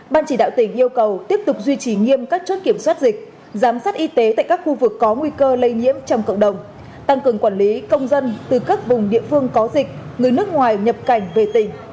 ban chỉ đạo tỉnh yêu cầu tiếp tục duy trì nghiêm các chốt kiểm soát dịch giám sát y tế tại các khu vực có nguy cơ lây nhiễm trong cộng đồng tăng cường quản lý công dân từ các vùng địa phương có dịch người nước ngoài nhập cảnh về tỉnh